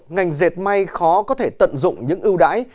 ngành dệt may khó có thể tận dụng những ưu đãi